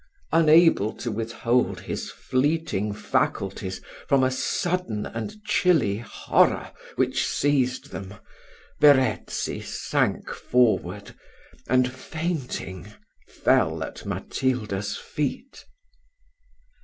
Unable to withhold his fleeting faculties from a sudden and chilly horror which seized them, Verezzi sank forward, and, fainting, fell at Matilda's feet.